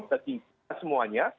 bagi kita semuanya